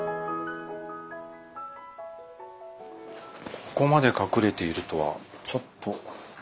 ここまで隠れているとはちょっとびっくりですね。